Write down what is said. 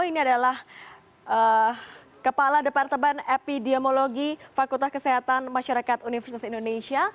ini adalah kepala departemen epidemiologi fakultas kesehatan masyarakat universitas indonesia